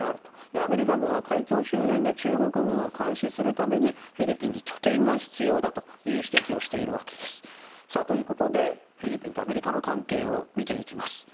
アメリカ軍は海峡周辺で中国軍を監視するためにフィリピンに拠点が必要だという指摘をしているわけです。ということでフィリピンとアメリカの関係を見ていきます。